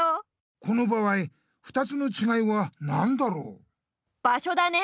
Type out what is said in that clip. この場合２つのちがいはなんだろう？場所だね。